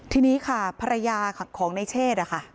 ทีนี้ค่ะภรรยาของในเชศนะคะ